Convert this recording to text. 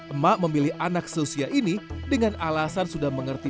emak memilih anak seusia ini dengan alasan sudah mengerti